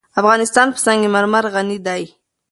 افغانستان په سنگ مرمر غني دی.